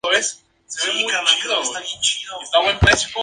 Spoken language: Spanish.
Contó con la colaboración en la producción de "Southern Star Entertainment".